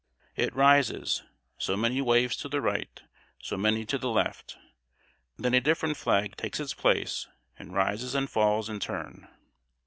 It rises; so many waves to the right; so many to the left. Then a different flag takes its place, and rises and falls in turn.